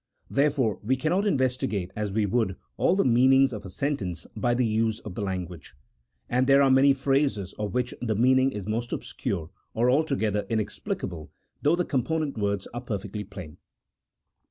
Therefore we cannot investigate as we would all the mean ings of a sentence by the uses of the language ; and there are many phrases of which the meaning is most obscure or altogether inexplicable, though the component words are perfectly plain.